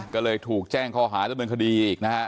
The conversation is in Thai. ก็เลยถูกแจ้งข้อหาดำเนินคดีอีกนะฮะ